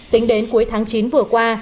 tính đến cuối tháng chín vừa qua